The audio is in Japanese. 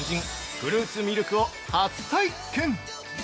フルーツミルクを初体験。